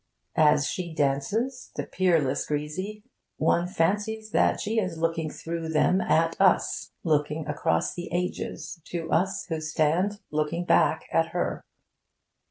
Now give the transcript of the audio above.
As she dances the peerless Grisi! one fancies that she is looking through them at us, looking across the ages to us who stand looking back at her.